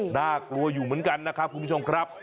หนะกลัวอยู่เหมือนกันคุณผู้ชมครับ